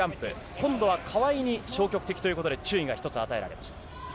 今度は川井に消極的ということで、注意が１つ与えられました。